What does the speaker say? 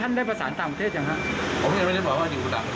มันมีคำถามว่ามีการหลบอยู่ในบ้านใดหลบหลบหลบอยู่ในใคร